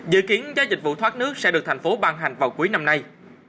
dự kiến giá dịch vụ thoát nước sẽ được thành phố ban hành vào cuối năm nay